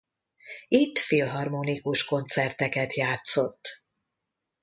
Itt filharmonikus koncerteket játszott.